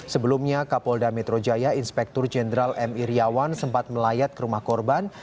sebelumnya kapolda metro jaya inspektur jenderal m iryawan sempat melayat ke rumah korban